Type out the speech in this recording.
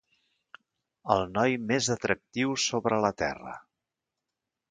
El noi més atractiu sobre la Terra!